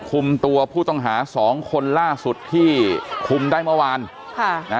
คุมตัวผู้ต้องหาสองคนล่าสุดที่คุมได้เมื่อวานค่ะนะ